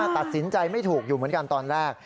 ตัดสินใจไม่ถูกอยู่เหมือนกันตอนแรก